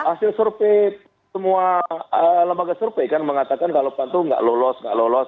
hasil survei semua lembaga survei kan mengatakan kalau pan itu nggak lolos nggak lolos